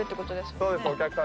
そうですお客さん